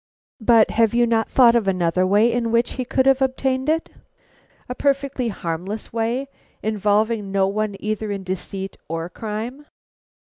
But have you not thought of another way in which he could have obtained it, a perfectly harmless way, involving no one either in deceit or crime?